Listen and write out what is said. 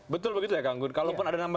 betul begitu ya kang gun kalaupun ada nama